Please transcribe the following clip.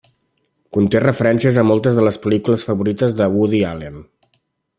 Conté referències a moltes de les pel·lícules favorites de Woody Allen.